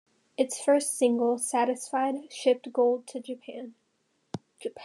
The first single, "Satisfied", shipped gold to Japan.